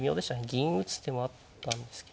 銀打つ手もあったんですけど。